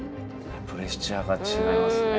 プレッシャーがちがいますね。